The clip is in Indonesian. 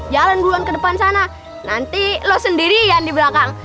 jalan duluan ke depan sana nanti lo sendirian di belakang